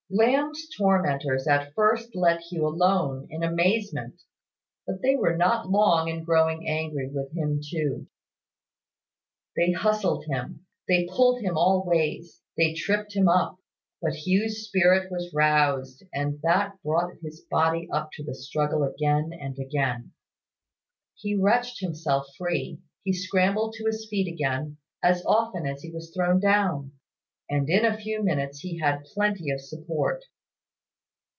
Lamb's tormentors at first let Hugh alone in amazement; but they were not long in growing angry with him too. They hustled him they pulled him all ways they tripped him up; but Hugh's spirit was roused, and that brought his body up to the struggle again and again. He wrenched himself free, he scrambled to his feet again, as often as he was thrown down; and in a few minutes he had plenty of support.